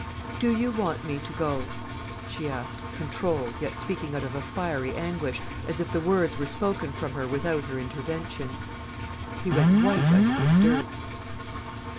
"Do you want me to go?" she asked, controlled, yet speaking out of a fiery anguish, as if the words were spoken from her without her intervention. He went white under his dirt.